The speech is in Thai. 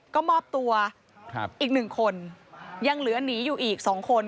ก็มอบตัวอีก๑คนยังเหลือหนีอยู่อีก๒คน